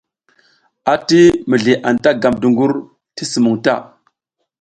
Ati mizliAnta gam dungur ti sumuŋ ta.